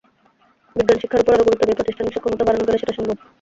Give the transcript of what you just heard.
বিজ্ঞানশিক্ষার ওপর আরও গুরুত্ব দিয়ে প্রাতিষ্ঠানিক সক্ষমতা বাড়ানো গেলে সেটা সম্ভব।